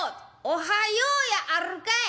「おはようやあるかい。